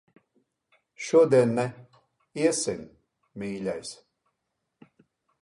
Šodien ne. Iesim, mīļais.